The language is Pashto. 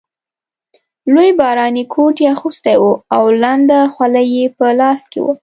لوی باراني کوټ یې اغوستی وو او لنده خولۍ یې په لاس کې وه.